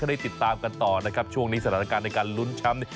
ได้ติดตามกันต่อนะครับช่วงนี้สถานการณ์ในการลุ้นแชมป์